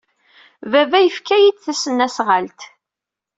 Baba yefka-iyi-d tasnasɣalt.